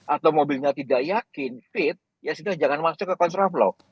atau mobilnya tidak yakin fit ya sudah jangan masuk ke kontraflow